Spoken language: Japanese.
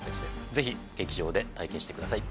ぜひ劇場で体験してください。